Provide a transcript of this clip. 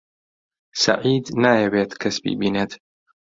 سەعید نایەوێت کەس ببینێت.